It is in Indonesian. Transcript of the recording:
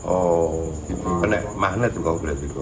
oh itu makna tuh kau berarti kok